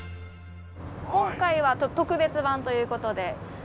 今回は特別版ということで。